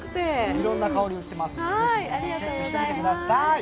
いろんな香りが売ってますのでぜひチェックしてみてください。